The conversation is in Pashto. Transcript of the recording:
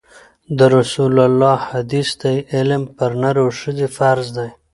د رسول الله ﷺ حدیث دی: علم پر نر او ښځي فرض دی